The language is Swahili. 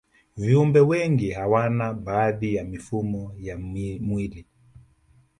viumbe wengi hawana baadhi ya mifumo ya mwili